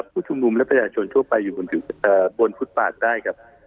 ผู้ชุมนุมและประชาชนทั่วไปอยู่บนฟุตปาดได้ครับ